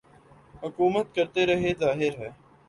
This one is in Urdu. حکومت کرتے رہے ظاہر ہے